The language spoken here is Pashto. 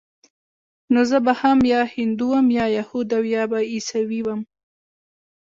نو زه به هم يا هندو وم يا يهود او يا به عيسوى وم.